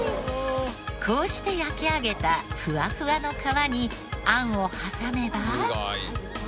こうして焼き上げたふわふわの皮にあんを挟めば。